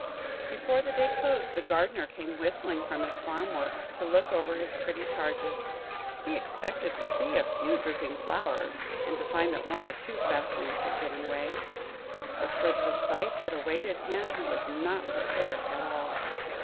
Before the day closed, the Gardener came whistling from his farm work, to look over his pretty charges. He expected to see a few drooping flowers, and to find that one or two fastenings had given way. But for the sight that awaited him he was not prepared at all.